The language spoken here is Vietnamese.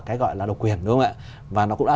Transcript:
cái gọi là độc quyền đúng không ạ và nó cũng đã